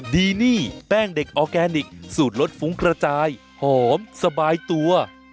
ดีนี่แป้งเด็กออร์แกนิคสูตรรสฟุ้งกระจายหอมสบายตัว